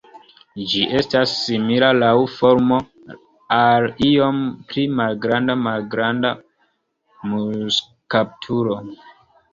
Ĝi estas simila laŭ formo al iom pli malgranda Malgranda muŝkaptulo.